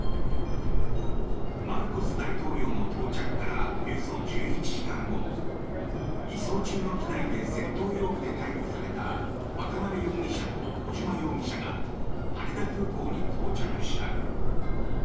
マルコス大統領の到着からおよそ１１時間後移送中の機内で窃盗容疑で逮捕された渡邉容疑者と小島容疑者が羽田空港に到着した。